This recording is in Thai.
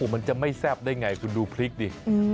มันจะไม่แซ่บได้ไงคุณดูพริกดิ